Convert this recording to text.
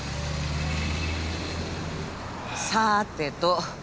さあてと。